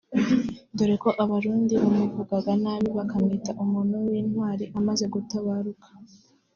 dore ko abarundi bamuvugaga nabi bakamwita umuntu w’intwari amaze gutabaruka